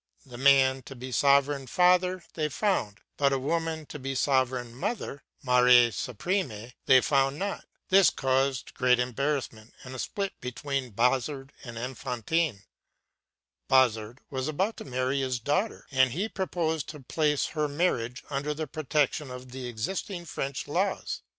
The man to be sovereign Father they found; but a woman to be sovereign Mother, Mère Suprême, they found not. This caused great embarrassment, and a split between Bazard and Enfantin. Bazard was about marrying his daughter, and he proposed to place her marriage under the protection of the existing French laws.